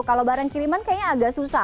kalau barang kiriman kayaknya agak susah